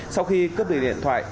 sau khi cướp điện thoại